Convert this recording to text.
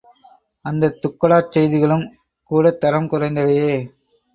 அந்தத் துக்கடாச் செய்திகளும் கூடத் தரம் குறைந்தவையே.